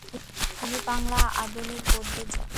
তিনি বাংলা আধুনিক গদ্যের জনক।